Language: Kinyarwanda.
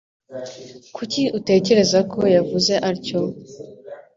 Kuki utekereza ko yavuze atyo?